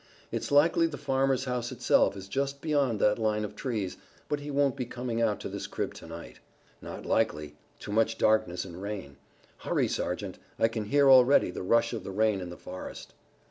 It's likely the farmer's house itself is just beyond that line of trees, but he won't be coming out to this crib to night." "Not likely. Too much darkness and rain. Hurry, Sergeant, I can hear already the rush of the rain in the forest."